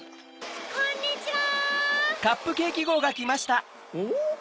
こんにちは！おっ？